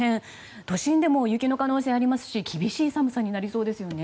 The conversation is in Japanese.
都心でも雪の可能性がありますし厳しい寒さになりそうですよね。